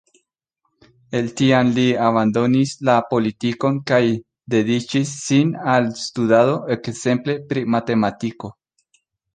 El tiam li abandonis la politikon kaj dediĉis sin al studado, ekzemple pri matematiko.